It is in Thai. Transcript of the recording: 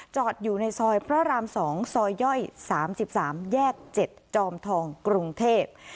จอดอยู่ในซอยพระราม๒ซอยย่อย๓๓แยก๗จอมทองกรุงเทพ